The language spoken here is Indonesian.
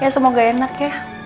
ya semoga enak ya